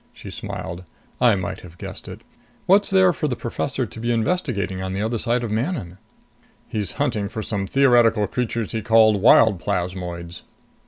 She smiled. "I might have guessed it. What's there for the professor to be investigating on the other side of Manon?" "He's hunting for some theoretical creatures he calls wild plasmoids."